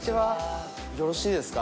よろしいですか？